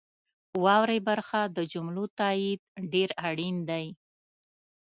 واورئ برخه د جملو تایید ډیر اړین دی.